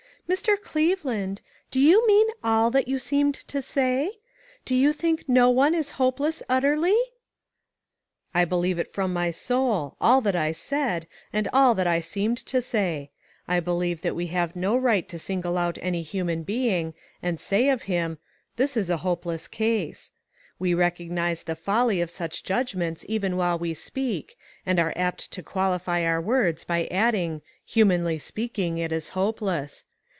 "Mr. Cleveland, do you mean all that you seemed to say? Do you think no one is hopeless utterly ?" "I believe it from my soul — all that I said, and all that I seemed to say. I be lieve that we have no right to single out any human being, and say of him, ' This is a hopeless case.' We recognize the folly of such judgments even while we speak, and are apt to qualify our. words by adding 'humanly speaking, it is hopeless.'